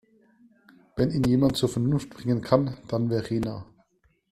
Wenn ihn jemand zur Vernunft bringen kann, dann Verena.